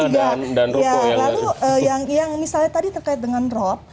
lalu yang misalnya tadi terkait dengan rop